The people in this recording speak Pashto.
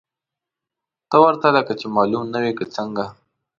ته ورته لکه چې معلوم نه وې، که څنګه!؟